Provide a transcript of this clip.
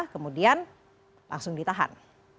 kemudian langsung ditahan